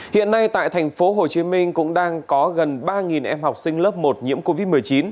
hiện nay tại thành phố hồ chí minh cũng đang có gần ba em học sinh lớp một nhiễm covid một mươi chín